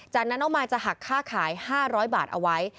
จากนั้นน้องมายจะหักค่าขาย๕๐๐บาทเอาไว้